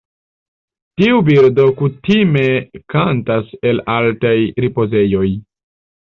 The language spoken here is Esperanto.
Tiu birdo kutime kantas el altaj ripozejoj.